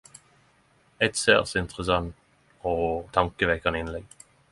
Eit særs interessant og tankevekkjande innlegg.